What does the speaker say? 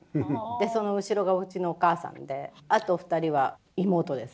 でその後ろがうちのお母さんであと２人は妹です。